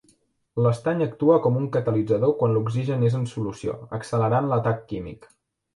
L'estany actua com un catalitzador quan l'oxigen és en solució accelerant l'atac químic.